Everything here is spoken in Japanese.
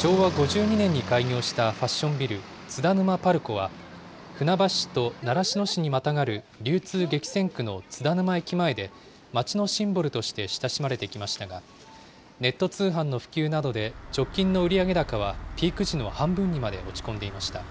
昭和５２年に開業したファッションビル、津田沼パルコは、船橋市と習志野市にまたがる流通激戦区の津田沼駅前で街のシンボルとして親しまれてきましたが、ネット通販の普及などで、直近の売上高はピーク時の半分にまで落ち込んでいました。